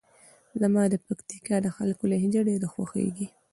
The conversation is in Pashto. زما د پکتیکا د خلکو لهجه ډېره خوښیږي.